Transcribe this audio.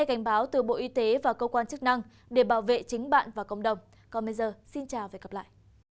còn bây giờ xin chào và hẹn gặp lại